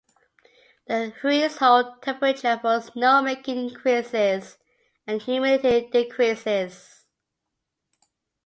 The threshold temperature for snowmaking increases as humidity decreases.